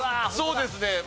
そうですね。